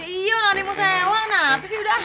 iya orang orang yang mau sewa nah apa sih udah